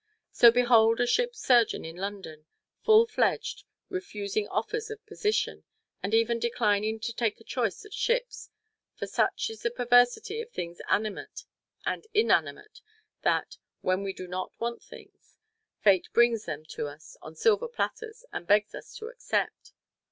So behold a ship's surgeon in London, full fledged, refusing offers of position, and even declining to take a choice of ships, for such is the perversity of things animate and inanimate that, when we do not want things, Fate brings them to us on silver platters and begs us to accept.